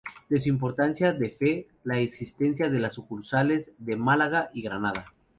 De su importancia da fe la existencia de las sucursales de Málaga y Granada.